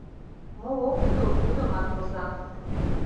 Мо ок кӱл, тудымат воза.